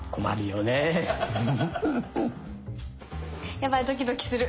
やばいドキドキする。